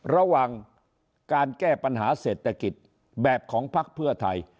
ระหว่างการแก้ปัญหาเศรษฐกิจแบบของพักเพื่อไทย